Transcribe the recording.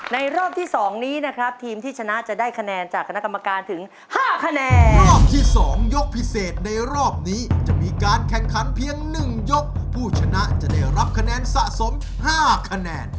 ในรอบที่๒นี้นะครับทีมที่ชนะจะได้คะแนนจากนักกรรมการถึง๕คะแนน